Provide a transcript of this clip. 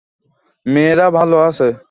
মেয়েরা ভালো আছে?